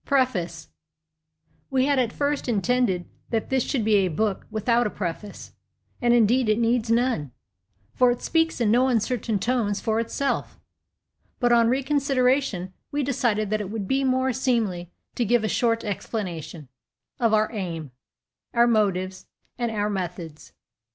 PREFACE We had at first intended that this should be a book without a preface, and indeed it needs none, for it speaks in no uncertain tones for itself; but on reconsideration we decided that it would be more seemly to give a short explanation of our aim, our motives, and our methods.